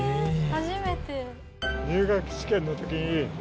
初めて。